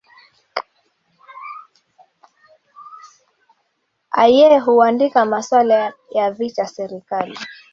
aye huandika maswala ya vita serikali